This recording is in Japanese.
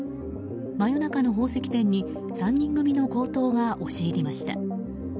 真夜中の宝石店に３人組の強盗が押し入りました。